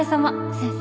「先生」？